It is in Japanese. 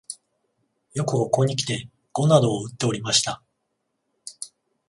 よくここにきて碁などをうっておりました